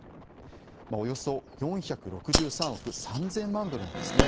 およそ４６３億３０００万ドルなんですね。